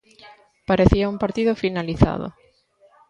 Parecía un partido finalizado.